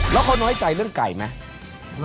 แล้วเขาน้อยใจเรื่องไก่ไหม